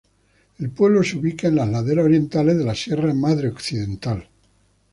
El pueblo se ubica en las laderas orientales de la Sierra Madre Occidental.